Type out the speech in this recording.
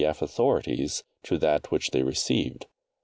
E.F. authorities to that which they received.